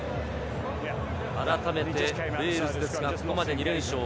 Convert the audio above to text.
改めてウェールズですが、ここまで２連勝。